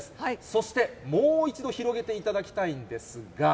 そして、もう一度広げていただきたいんですが。